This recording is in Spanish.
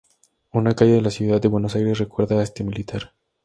Una calle de la ciudad de Buenos Aires recuerda a este militar.